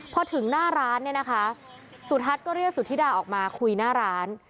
พอถึงหน้าร้านเนี่ยนะคะสุทัศน์ก็เรียกสุธิดาออกมาคุยหน้าร้าน